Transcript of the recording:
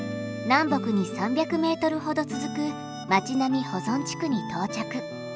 南北に３００メートルほど続く町並み保存地区に到着。